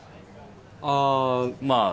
ああまあ